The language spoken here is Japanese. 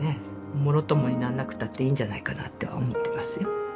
もろともにならなくたっていいんじゃないかなとは思ってますよ。